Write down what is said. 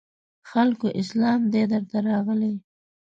خلکو اسلام دی درته راغلی